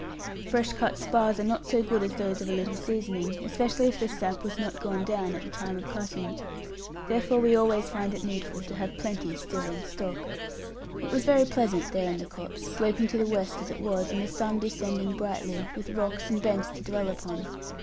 Fresh cut spars are not so good as those of a little seasoning; especially if the sap was not gone down at the time of cutting. Therefore we always find it needful to have plenty still in stock. It was very pleasant there in the copse, sloping to the west as it was, and the sun descending brightly, with rocks and banks to dwell upon.